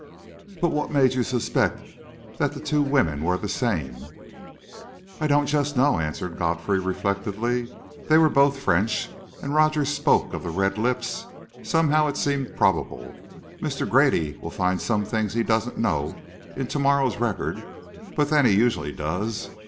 "But what made you suspect that the two women were the same?" "I don't just know," answered Godfrey, reflectively. "They were both French and Rogers spoke of the red lips; somehow it seemed probable. Mr. Grady will find some things he doesn't know in to morrow's Record. But then he usually does.